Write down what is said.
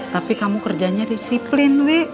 tapi kamu kerjanya disiplin we